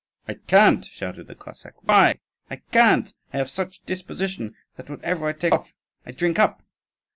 "I can't," shouted the Cossack. "Why?" "I can't: I have such a disposition that whatever I take off, I drink up."